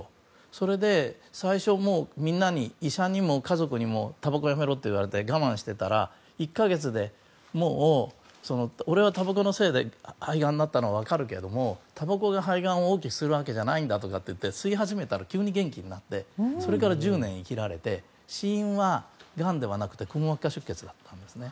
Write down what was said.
それで最初みんなに医者にも家族にもたばこやめろって言われて我慢していたら、１か月で俺はたばこのせいで肺がんになったのは分かるけどたばこが肺がんを大きくするわけじゃないんだって吸い始めたら急に元気になってそれから１０年生きられて死因はがんではなくてくも膜下出血だったんです。